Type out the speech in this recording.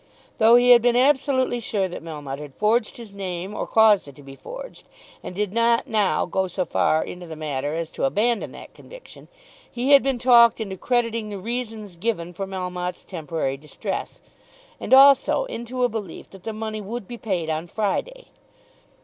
Though he had been absolutely sure that Melmotte had forged his name or caused it to be forged, and did not now go so far into the matter as to abandon that conviction, he had been talked into crediting the reasons given for Melmotte's temporary distress, and also into a belief that the money would be paid on Friday.